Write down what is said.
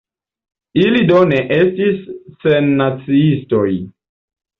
Ili do ne estis sennaciistoj.